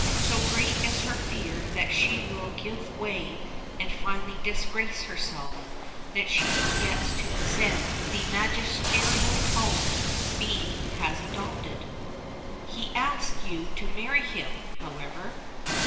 So great is her fear that she will give way and finally disgrace herself, that she forgets to resent the magisterial tone be has adopted. "He asked you to marry him, however?"